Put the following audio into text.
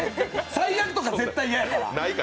最悪とか絶対嫌やから。